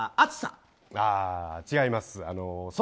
違います。